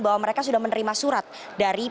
bahwa mereka sudah menerima surat dari